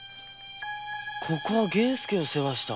ここは源助を世話した。